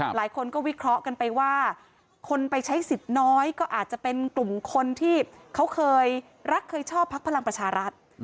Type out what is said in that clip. หลายคนก็วิเคราะห์กันไปว่าคนไปใช้สิทธิ์น้อยก็อาจจะเป็นกลุ่มคนที่เขาเคยรักเคยชอบพักพลังประชารัฐ